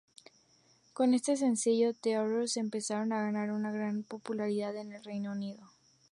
Con este sencillo, The Horrors empezaron a ganar gran popularidad en el Reino Unido.